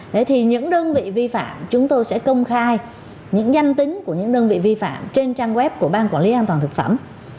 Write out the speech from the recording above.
thế thì những đơn vị vi phạm chúng tôi sẽ công khai những danh tính của những đơn vị vi phạm trên trang web của ban quản lý an toàn thực phẩm